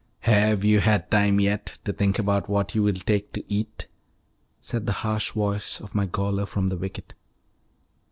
"Have you had time yet to think about what you will take to eat?" said the harsh voice of my gaoler from the wicket.